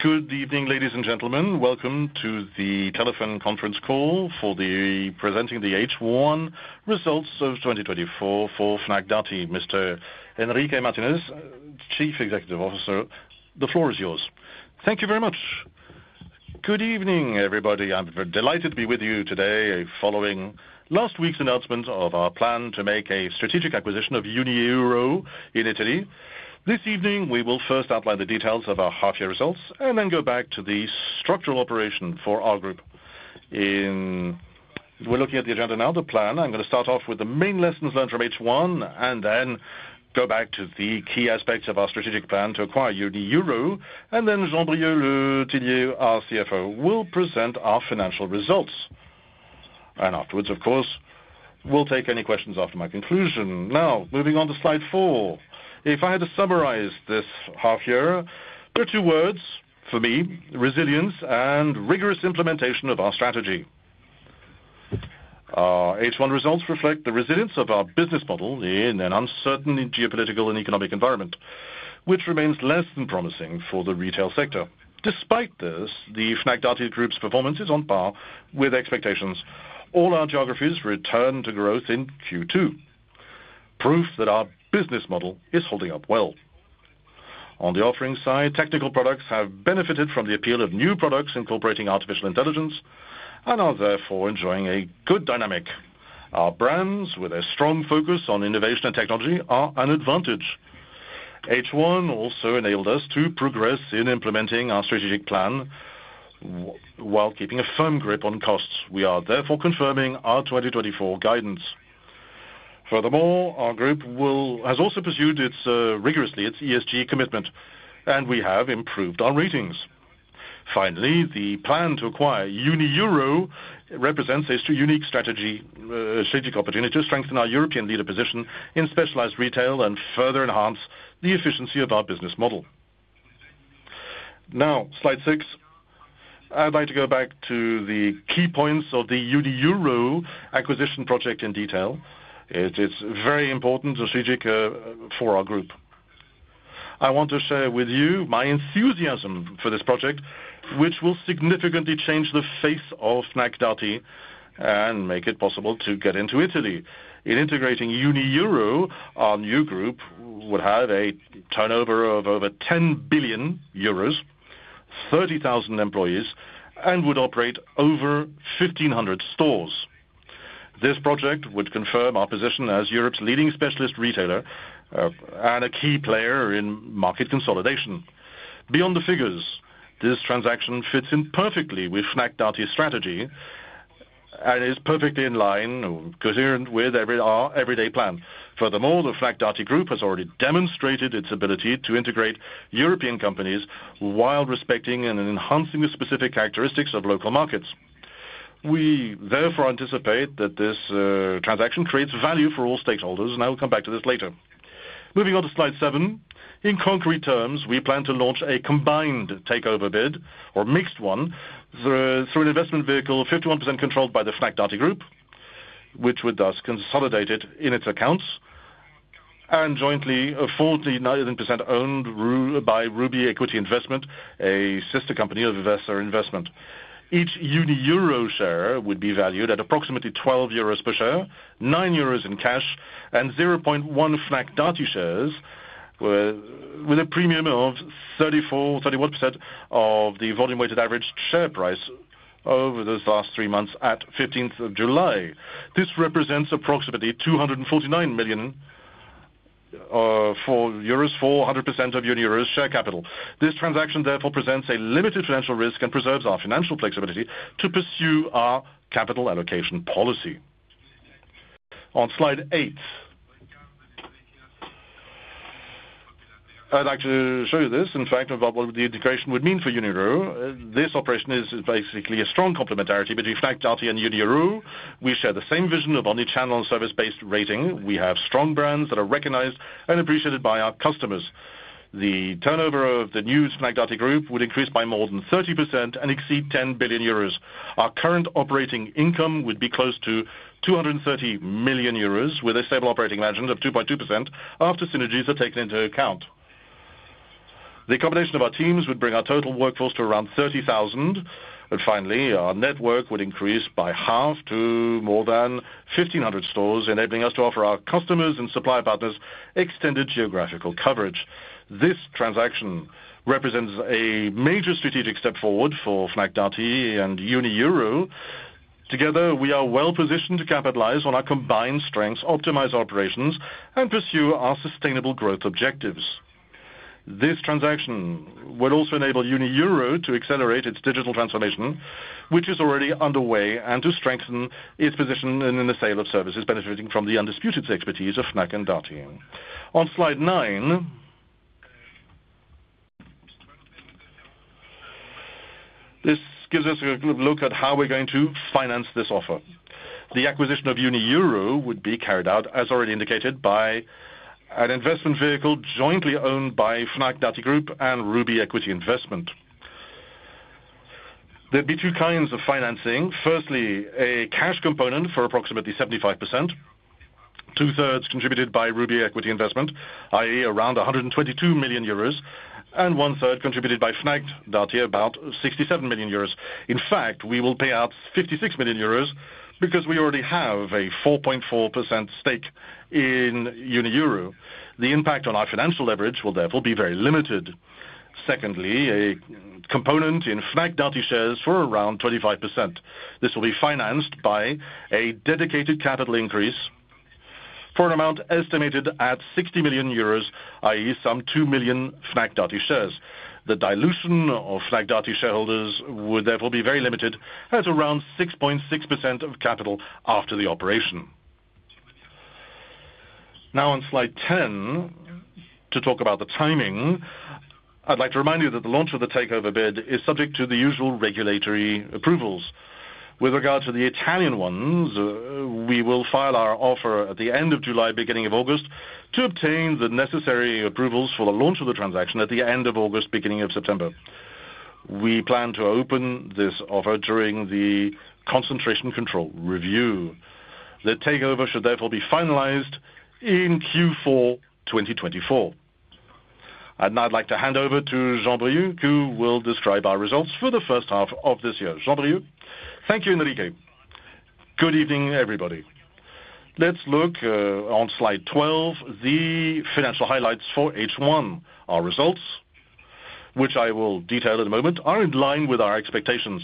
Good evening, ladies and gentlemen. Welcome to the telephone conference call for presenting the H1 results of 2024 for Fnac Darty. Mr. Enrique Martinez, Chief Executive Officer, the floor is yours. Thank you very much. Good evening, everybody. I'm delighted to be with you today following last week's announcement of our plan to make a strategic acquisition of Unieuro in Italy. This evening, we will first outline the details of our half-year results and then go back to the structural operation for our group. We're looking at the agenda now, the plan. I'm going to start off with the main lessons learned from H1 and then go back to the key aspects of our strategic plan to acquire Unieuro. And then Jean-Brieuc Le Tinier, our CFO, will present our financial results. And afterwards, of course, we'll take any questions after my conclusion. Now, moving on to slide 4. If I had to summarize this half-year, there are two words for me: resilience and rigorous implementation of our strategy. Our H1 results reflect the resilience of our business model in an uncertain geopolitical and economic environment, which remains less than promising for the retail sector. Despite this, the Fnac Darty Group's performance is on par with expectations. All our geographies returned to growth in Q2, proof that our business model is holding up well. On the offering side, technical products have benefited from the appeal of new products incorporating artificial intelligence and are therefore enjoying a good dynamic. Our brands, with a strong focus on innovation and technology, are an advantage. H1 also enabled us to progress in implementing our strategic plan while keeping a firm grip on costs. We are therefore confirming our 2024 guidance. Furthermore, our group has also pursued rigorously its ESG commitment, and we have improved our ratings. Finally, the plan to acquire Unieuro represents a unique strategic opportunity to strengthen our European leader position in specialized retail and further enhance the efficiency of our business model. Now, slide six, I'd like to go back to the key points of the Unieuro acquisition project in detail. It is very important and strategic for our group. I want to share with you my enthusiasm for this project, which will significantly change the face of Fnac Darty and make it possible to get into Italy. In integrating Unieuro, our new group would have a turnover of over 10 billion euros, 30,000 employees, and would operate over 1,500 stores. This project would confirm our position as Europe's leading specialist retailer and a key player in market consolidation. Beyond the figures, this transaction fits in perfectly with Fnac Darty's strategy and is perfectly in line or coherent with our everyday plan. Furthermore, the Fnac Darty Group has already demonstrated its ability to integrate European companies while respecting and enhancing the specific characteristics of local markets. We therefore anticipate that this transaction creates value for all stakeholders, and I will come back to this later. Moving on to slide seven, in concrete terms, we plan to launch a combined takeover bid or mixed one through an investment vehicle 51% controlled by the Fnac Darty Group, which would thus consolidate it in its accounts and jointly a 49% owned by Ruby Equity Investment, a sister company of Vesa Equity Investment. Each Unieuro share would be valued at approximately 12 euros per share, 9 euros in cash, and 0.1 Fnac Darty shares with a premium of 31% of the volume-weighted average share price over those last three months at 15th of July. This represents approximately 249 for 100% of Unieuro's share capital. This transaction therefore presents a limited financial risk and preserves our financial flexibility to pursue our capital allocation policy. On slide 8, I'd like to show you this, in fact, about what the integration would mean for Unieuro. This operation is basically a strong complementarity between Fnac Darty and Unieuro. We share the same vision of omnichannel and service-based rating. We have strong brands that are recognized and appreciated by our customers. The turnover of the new Fnac Darty Group would increase by more than 30% and exceed 10 billion euros. Our current operating income would be close to 230 million euros with a stable operating margin of 2.2% after synergies are taken into account. The combination of our teams would bring our total workforce to around 30,000. Finally, our network would increase by half to more than 1,500 stores, enabling us to offer our customers and supply partners extended geographical coverage. This transaction represents a major strategic step forward for Fnac Darty and Unieuro. Together, we are well positioned to capitalize on our combined strengths, optimize our operations, and pursue our sustainable growth objectives. This transaction would also enable Unieuro to accelerate its digital transformation, which is already underway, and to strengthen its position in the sale of services benefiting from the undisputed expertise of Fnac and Darty. On slide nine, this gives us a look at how we're going to finance this offer. The acquisition of Unieuro would be carried out, as already indicated, by an investment vehicle jointly owned by Fnac Darty Group and Ruby Equity Investment. There'd be two kinds of financing. Firstly, a cash component for approximately 75%, two-thirds contributed by Ruby Equity Investment, i.e., around 122 million euros, and one-third contributed by Fnac Darty, about 67 million euros. In fact, we will pay out 56 million euros because we already have a 4.4% stake in Unieuro. The impact on our financial leverage will therefore be very limited. Secondly, a component in Fnac Darty shares for around 25%. This will be financed by a dedicated capital increase for an amount estimated at 60 million euros, i.e., some 2 million Fnac Darty shares. The dilution of Fnac Darty shareholders would therefore be very limited at around 6.6% of capital after the operation. Now, on slide 10, to talk about the timing, I'd like to remind you that the launch of the takeover bid is subject to the usual regulatory approvals. With regard to the Italian ones, we will file our offer at the end of July, beginning of August, to obtain the necessary approvals for the launch of the transaction at the end of August, beginning of September. We plan to open this offer during the concentration control review. The takeover should therefore be finalized in Q4 2024. And I'd like to hand over to Jean-Brieuc, who will describe our results for the first half of this year. Jean-Brieuc. Thank you, Enrique. Good evening, everybody. Let's look on slide 12, the financial highlights for H1. Our results, which I will detail in a moment, are in line with our expectations.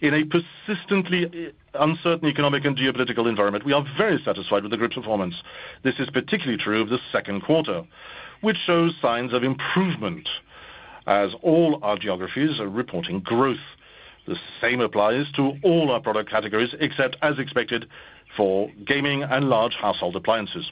In a persistently uncertain economic and geopolitical environment, we are very satisfied with the group's performance. This is particularly true of the second quarter, which shows signs of improvement as all our geographies are reporting growth. The same applies to all our product categories, except, as expected, for gaming and large household appliances.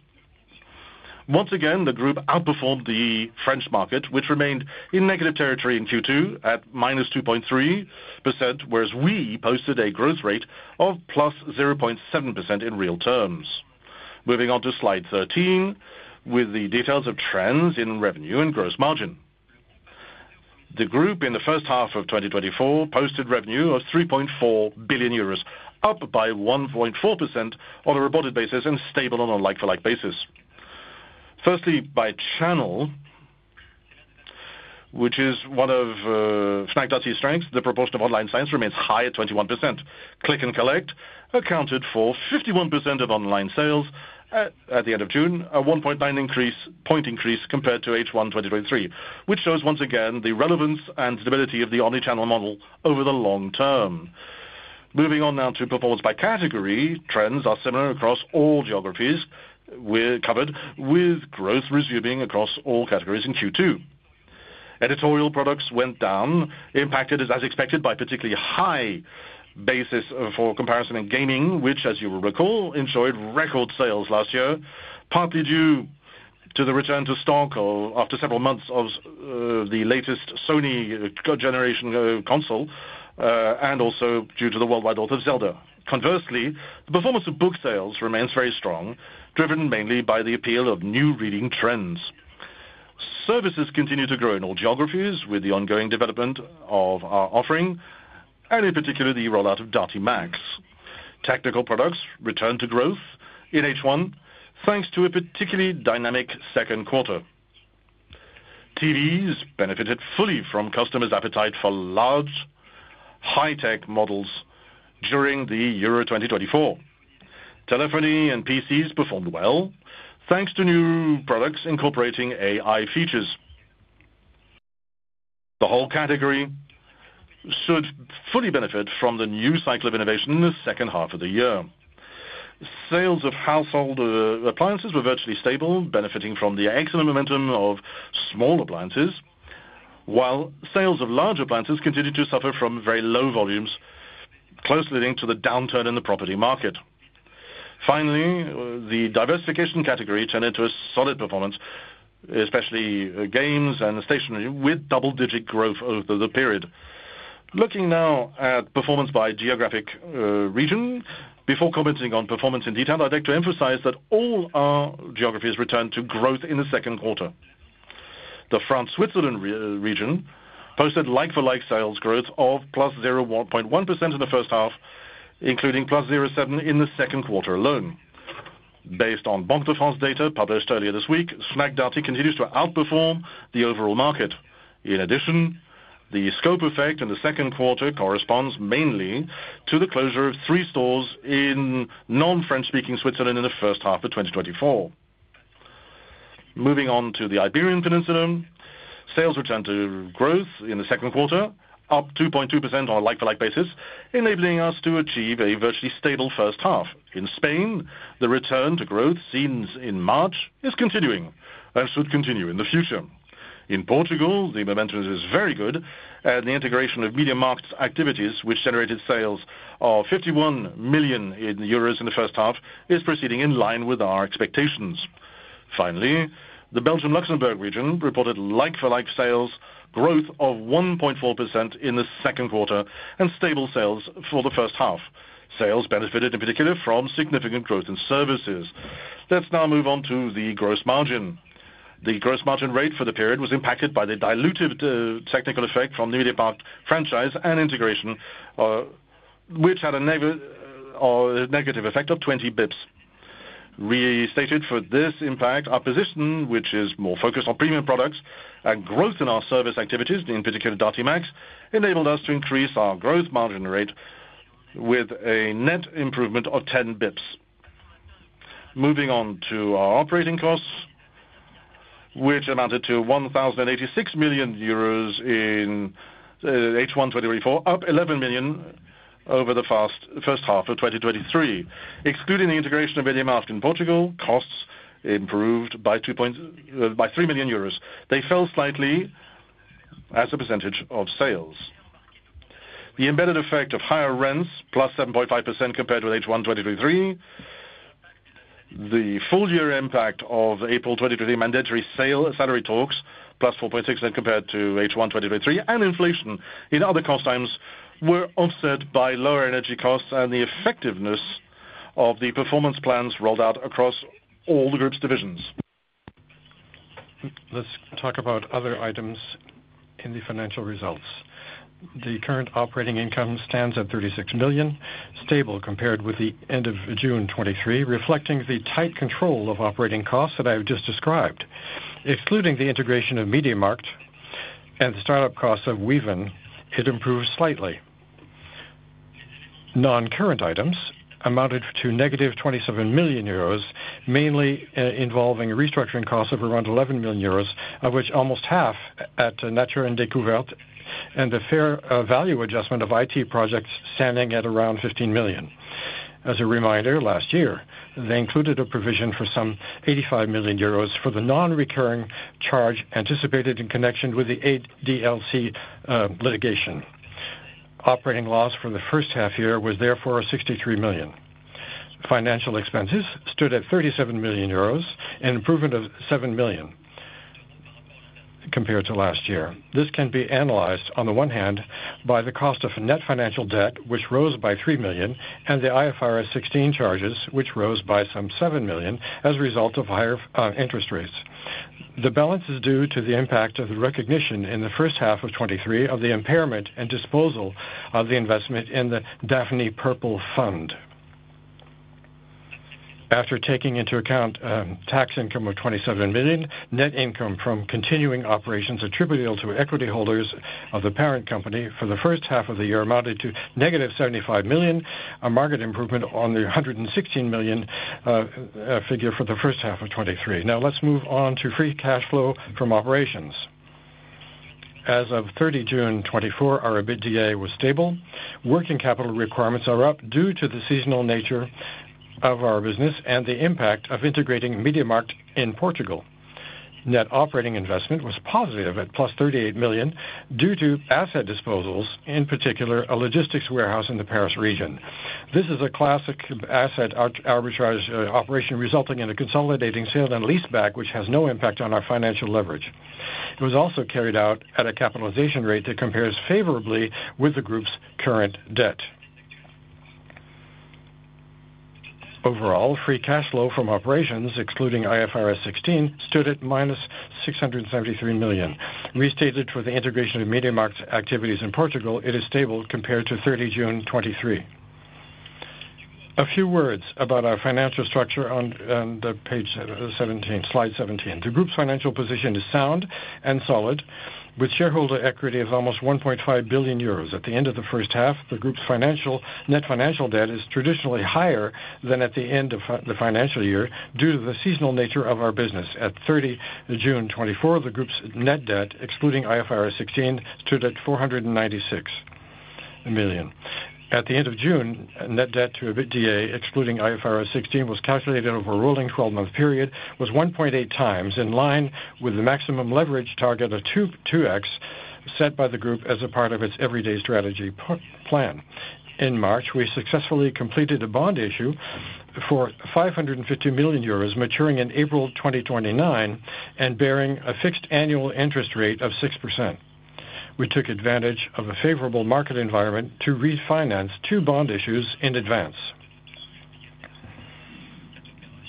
Once again, the group outperformed the French market, which remained in negative territory in Q2 at -2.3%, whereas we posted a growth rate of +0.7% in real terms. Moving on to slide 13 with the details of trends in revenue and gross margin. The group, in the first half of 2024, posted revenue of 3.4 billion euros, up by 1.4% on a reported basis and stable on a like-for-like basis. Firstly, by channel, which is one of Fnac Darty's strengths, the proportion of online sales remains high at 21%. Click and Collect accounted for 51% of online sales at the end of June, a 1.9 point increase compared to H1 2023, which shows, once again, the relevance and stability of the Omnichannel model over the long term. Moving on now to performance by category, trends are similar across all geographies covered, with growth resuming across all categories in Q2. Editorial products went down, impacted as expected by a particularly high basis for comparison in gaming, which, as you will recall, enjoyed record sales last year, partly due to the return to stock after several months of the latest Sony generation console and also due to the worldwide aura of Zelda. Conversely, the performance of book sales remains very strong, driven mainly by the appeal of new reading trends. Services continue to grow in all geographies with the ongoing development of our offering and, in particular, the rollout of Darty Max. Technical products returned to growth in H1 thanks to a particularly dynamic second quarter. TVs benefited fully from customers' appetite for large, high-tech models during the Euro 2024. Telephony and PCs performed well thanks to new products incorporating AI features. The whole category should fully benefit from the new cycle of innovation in the second half of the year. Sales of household appliances were virtually stable, benefiting from the excellent momentum of small appliances, while sales of large appliances continued to suffer from very low volumes, closely linked to the downturn in the property market. Finally, the diversification category turned into a solid performance, especially games and stationery, with double-digit growth over the period. Looking now at performance by geographic region, before commenting on performance in detail, I'd like to emphasize that all our geographies returned to growth in the second quarter. The France-Switzerland region posted like-for-like sales growth of +0.1% in the first half, including +0.7% in the second quarter alone. Based on Banque de France data published earlier this week, Fnac Darty continues to outperform the overall market. In addition, the scope effect in the second quarter corresponds mainly to the closure of three stores in non-French-speaking Switzerland in the first half of 2024. Moving on to the Iberian Peninsula, sales returned to growth in the second quarter, up 2.2% on a like-for-like basis, enabling us to achieve a virtually stable first half. In Spain, the return to growth seen in March is continuing and should continue in the future. In Portugal, the momentum is very good, and the integration of MediaMarkt activities, which generated sales of 51 million euros in the first half, is proceeding in line with our expectations. Finally, the Belgium-Luxembourg region reported like-for-like sales, growth of 1.4% in the second quarter, and stable sales for the first half. Sales benefited, in particular, from significant growth in services. Let's now move on to the gross margin. The gross margin rate for the period was impacted by the diluted technical effect from newly departed franchise and integration, which had a negative effect of 20 basis points. Restated for this impact, our position, which is more focused on premium products and growth in our service activities, in particular Darty Max, enabled us to increase our gross margin rate with a net improvement of 10 basis points. Moving on to our operating costs, which amounted to 1,086 million euros in H1 2024, up 11 million over the first half of 2023. Excluding the integration of MediaMarkt in Portugal, costs improved by 3 million euros. They fell slightly as a percentage of sales. The embedded effect of higher rents, +7.5% compared with H1 2023, the full year impact of April 2023 mandatory salary talks, +4.6% compared to H1 2023, and inflation in other cost items were offset by lower energy costs and the effectiveness of the performance plans rolled out across all the group's divisions. Let's talk about other items in the financial results. The current operating income stands at 36 million, stable compared with the end of June 2023, reflecting the tight control of operating costs that I have just described. Excluding the integration of MediaMarkt and the startup costs of Weavenn, it improved slightly. Non-current items amounted to negative 27 million euros, mainly involving restructuring costs of around 11 million euros, of which almost half at Nature & Découvertes, and the fair value adjustment of IT projects standing at around 15 million. As a reminder, last year, they included a provision for some 85 million euros for the non-recurring charge anticipated in connection with the ADLC litigation. Operating loss for the first half year was therefore 63 million. Financial expenses stood at 37 million euros and improvement of 7 million compared to last year. This can be analyzed, on the one hand, by the cost of net financial debt, which rose by 3 million, and the IFRS 16 charges, which rose by some 7 million as a result of higher interest rates. The balance is due to the impact of the recognition in the first half of 2023 of the impairment and disposal of the investment in the Daphne Purple Fund. After taking into account tax income of 27 million, net income from continuing operations attributable to equity holders of the parent company for the first half of the year amounted to negative 75 million, a marked improvement on the 116 million figure for the first half of 2023. Now, let's move on to free cash flow from operations. As of 30 June 2024, our EBITDA was stable. Working capital requirements are up due to the seasonal nature of our business and the impact of integrating MediaMarkt in Portugal. Net operating investment was positive at +38 million due to asset disposals, in particular a logistics warehouse in the Paris region. This is a classic asset arbitrage operation resulting in a consolidating sale and leaseback, which has no impact on our financial leverage. It was also carried out at a capitalization rate that compares favorably with the group's current debt. Overall, free cash flow from operations, excluding IFRS 16, stood at minus 673 million. Restated for the integration of MediaMarkt activities in Portugal, it is stable compared to 30 June 2023. A few words about our financial structure on slide 17. The group's financial position is sound and solid, with shareholder equity of almost 1.5 billion euros. At the end of the first half, the group's net financial debt is traditionally higher than at the end of the financial year due to the seasonal nature of our business. At 30 June 2024, the group's net debt, excluding IFRS 16, stood at 496 million. At the end of June, net debt to EBITDA, excluding IFRS 16, was calculated over a rolling 12-month period, was 1.8 times, in line with the maximum leverage target of 2x set by the group as a part of its everyday strategy plan. In March, we successfully completed a bond issue for 550 million euros, maturing in April 2029 and bearing a fixed annual interest rate of 6%. We took advantage of a favorable market environment to refinance two bond issues in advance.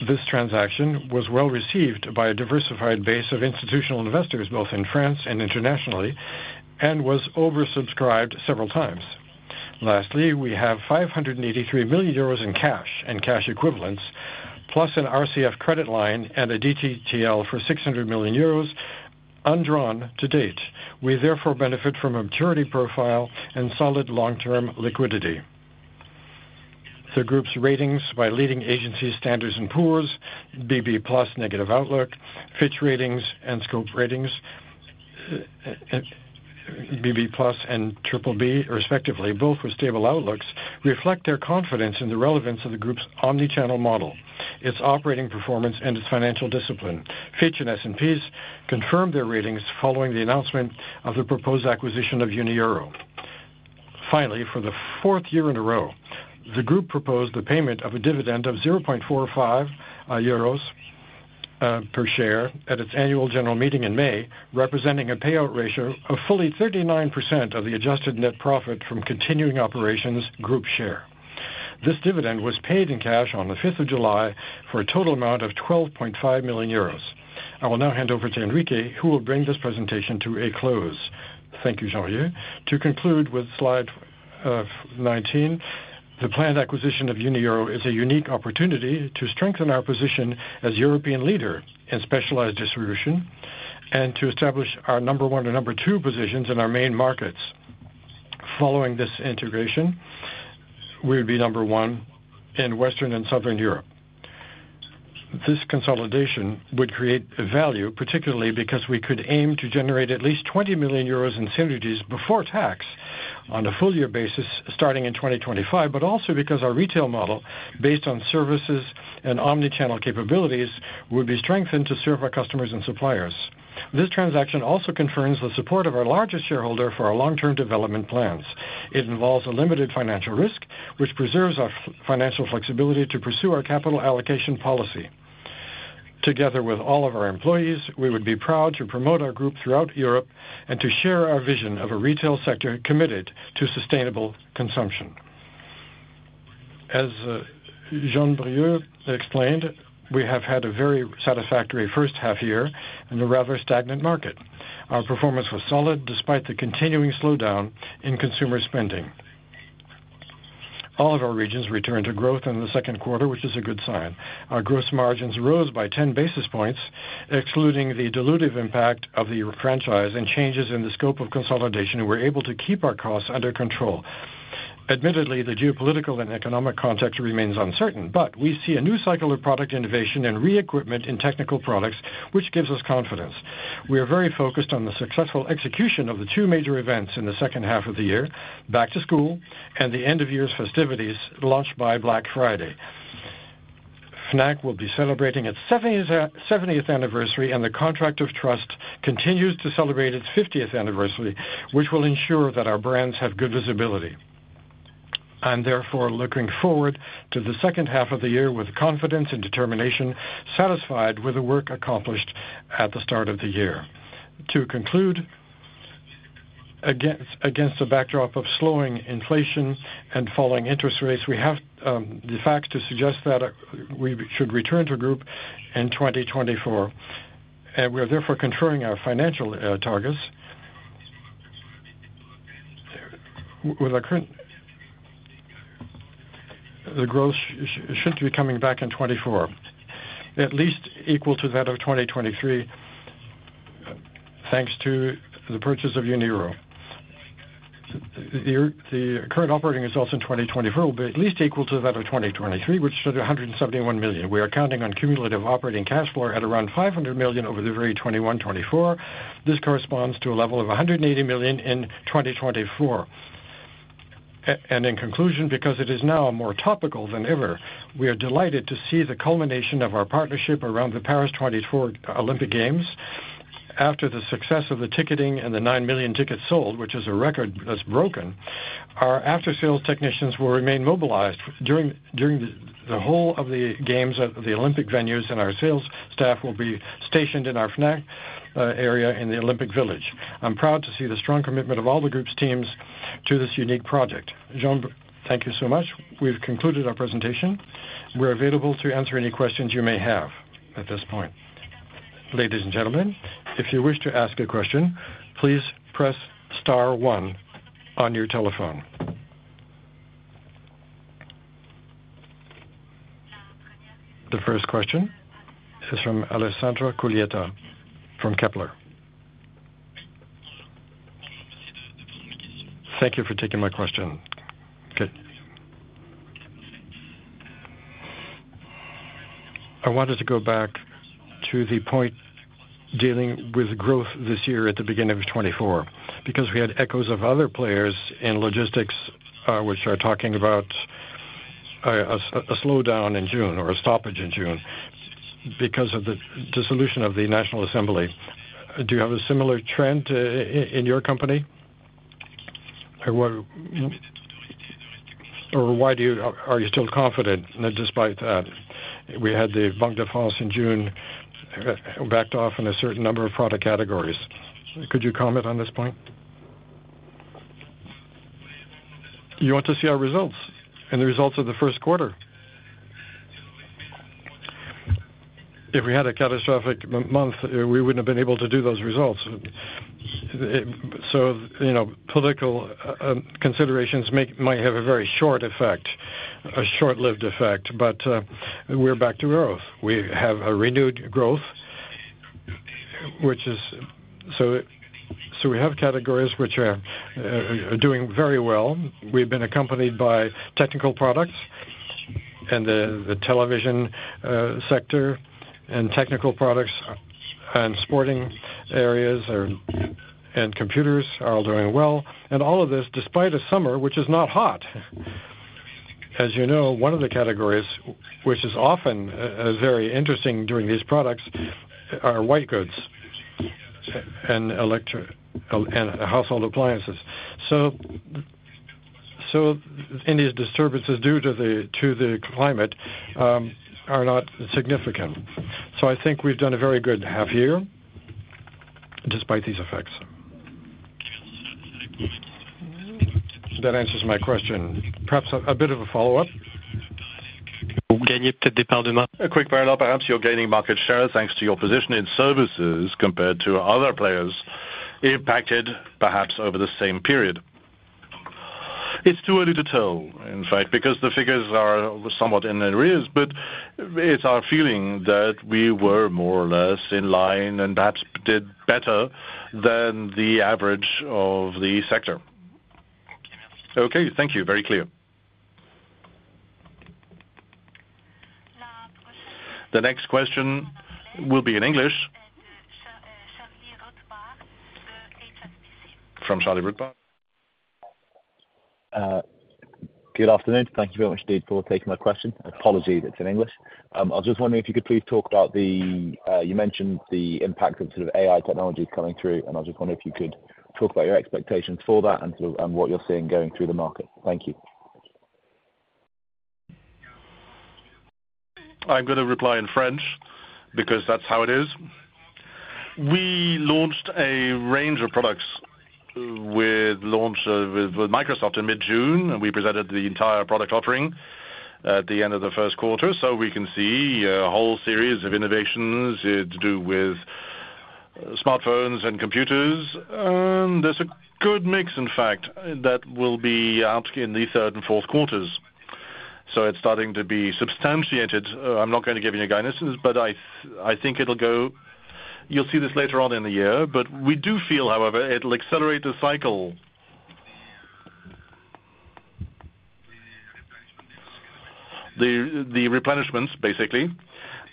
This transaction was well received by a diversified base of institutional investors, both in France and internationally, and was oversubscribed several times. Lastly, we have 583 million euros in cash and cash equivalents, plus an RCF credit line and a DTTL for 600 million euros undrawn to date. We therefore benefit from a maturity profile and solid long-term liquidity. The group's ratings by leading agency S&P, BB+ negative outlook, Fitch Ratings and Scope Ratings, BB+ and BBB, respectively, both with stable outlooks, reflect their confidence in the relevance of the group's omnichannel model, its operating performance, and its financial discipline. Fitch and S&P confirmed their ratings following the announcement of the proposed acquisition of Unieuro. Finally, for the fourth year in a row, the group proposed the payment of a dividend of 0.45 euros per share at its annual general meeting in May, representing a payout ratio of fully 39% of the adjusted net profit from continuing operations group share. This dividend was paid in cash on the 5th of July for a total amount of 12.5 million euros. I will now hand over to Enrique, who will bring this presentation to a close. Thank you, Jean-Luc. To conclude with slide 19, the planned acquisition of Unieuro is a unique opportunity to strengthen our position as European leader in specialized distribution and to establish our number 1 and number 2 positions in our main markets. Following this integration, we would be number 1 in Western and Southern Europe. This consolidation would create value, particularly because we could aim to generate at least 20 million euros in synergies before tax on a full-year basis starting in 2025, but also because our retail model, based on services and omnichannel capabilities, would be strengthened to serve our customers and suppliers. This transaction also confirms the support of our largest shareholder for our long-term development plans. It involves a limited financial risk, which preserves our financial flexibility to pursue our capital allocation policy. Together with all of our employees, we would be proud to promote our group throughout Europe and to share our vision of a retail sector committed to sustainable consumption. As Jean-Brieuc explained, we have had a very satisfactory first half year in a rather stagnant market. Our performance was solid despite the continuing slowdown in consumer spending. All of our regions returned to growth in the second quarter, which is a good sign. Our gross margins rose by 10 basis points, excluding the diluted impact of the franchise and changes in the scope of consolidation, and we were able to keep our costs under control. Admittedly, the geopolitical and economic context remains uncertain, but we see a new cycle of product innovation and re-equipment in technical products, which gives us confidence. We are very focused on the successful execution of the two major events in the second half of the year: Back to School and the end-of-year festivities launched by Black Friday. Fnac will be celebrating its 70th anniversary, and the Contract of Trust continues to celebrate its 50th anniversary, which will ensure that our brands have good visibility. I'm therefore looking forward to the second half of the year with confidence and determination, satisfied with the work accomplished at the start of the year. To conclude, against the backdrop of slowing inflation and falling interest rates, we have the facts to suggest that we should return to growth in 2024. We are therefore confirming our financial targets. The growth should be coming back in 2024, at least equal to that of 2023, thanks to the purchase of Unieuro. The current operating results in 2024 will be at least equal to that of 2023, which stood at 171 million. We are counting on cumulative operating cash flow at around 500 million over the very 2021-2024. This corresponds to a level of 180 million in 2024. In conclusion, because it is now more topical than ever, we are delighted to see the culmination of our partnership around the Paris 2024 Olympic Games. After the success of the ticketing and the 9 million tickets sold, which is a record that's broken, our after-sales technicians will remain mobilized during the whole of the Games, the Olympic venues, and our sales staff will be stationed in our Fnac area in the Olympic Village. I'm proud to see the strong commitment of all the group's teams to this unique project. Jean-Brieuc, thank you so much. We've concluded our presentation. We're available to answer any questions you may have at this point. Ladies and gentlemen, if you wish to ask a question, please press star one on your telephone. The first question is from Alessandro Cuglietta from Kepler. Thank you for taking my question. I wanted to go back to the point dealing with growth this year at the beginning of 2024, because we had echoes of other players in logistics which are talking about a slowdown in June or a stoppage in June because of the dissolution of the National Assembly. Do you have a similar trend in your company? Or why are you still confident despite that? We had the Banque de France in June backed off in a certain number of product categories. Could you comment on this point? You want to see our results and the results of the first quarter? If we had a catastrophic month, we wouldn't have been able to do those results. So political considerations might have a very short effect, a short-lived effect, but we're back to growth. We have a renewed growth, which is so we have categories which are doing very well. We've been accompanied by technical products and the television sector and technical products and sporting areas and computers are all doing well. And all of this, despite a summer which is not hot. As you know, one of the categories which is often very interesting during these products are white goods and household appliances. So any disturbances due to the climate are not significant. So I think we've done a very good half year despite these effects. That answers my question. Perhaps a bit of a follow-up. A quick parallel perhaps to your gaining market share thanks to your position in services compared to other players impacted perhaps over the same period. It's too early to tell, in fact, because the figures are somewhat in their infancy, but it's our feeling that we were more or less in line and perhaps did better than the average of the sector. Okay, thank you. Very clear. The next question will be in English. From Charlie Muir-Sands. Good afternoon. Thank you very much, Steve, for taking my question. Apologies. It's in English. I was just wondering if you could please talk about the you mentioned the impact of sort of AI technologies coming through, and I was just wondering if you could talk about your expectations for that and what you're seeing going through the market. Thank you. I'm going to reply in French because that's how it is. We launched a range of products with Microsoft in mid-June, and we presented the entire product offering at the end of the first quarter. So we can see a whole series of innovations to do with smartphones and computers. There's a good mix, in fact, that will be out in the third and fourth quarters. So it's starting to be substantiated. I'm not going to give you any guidance, but I think it'll go. You'll see this later on in the year, but we do feel, however, it'll accelerate the cycle. The replenishments, basically,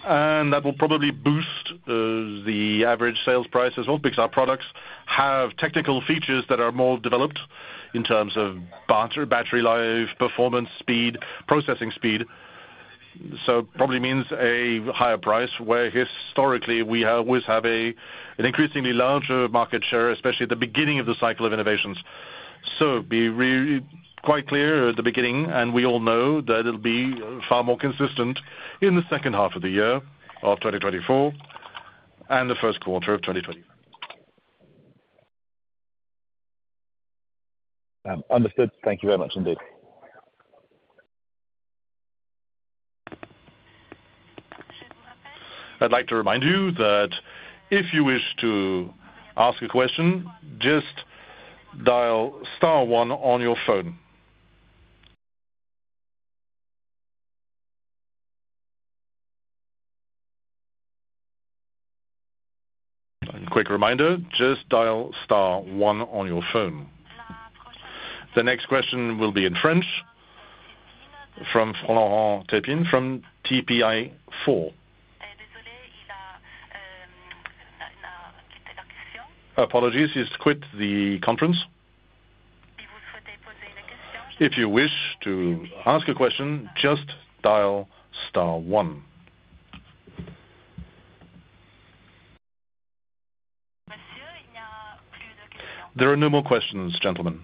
and that will probably boost the average sales price as well because our products have technical features that are more developed in terms of battery life, performance, speed, processing speed. So it probably means a higher price where historically we always have an increasingly larger market share, especially at the beginning of the cycle of innovations. So be quite clear at the beginning, and we all know that it'll be far more consistent in the second half of the year of 2024 and the first quarter of 2024. Understood. Thank you very much indeed. I'd like to remind you that if you wish to ask a question, just dial star one on your phone. Quick reminder, just dial star one on your phone. The next question will be in French from TPI 4. Apologies, he's quit the conference. If you wish to ask a question, just dial star one. There are no more questions, gentlemen.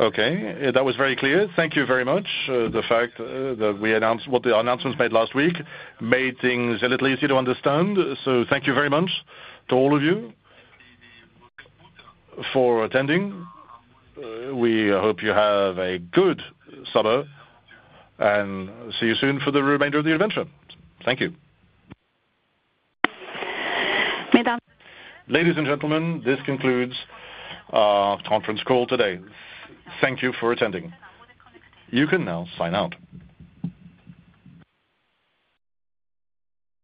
Okay. That was very clear. Thank you very much. The fact that we announced what the announcements made last week made things a little easier to understand. So thank you very much to all of you for attending. We hope you have a good summer and see you soon for the remainder of the adventure. Thank you. Ladies and gentlemen, this concludes our conference call today. Thank you for attending. You can now sign out.